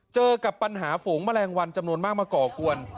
เจอกับปัญหาฝูงแมลงวันจำนวนมากมาก่อกวน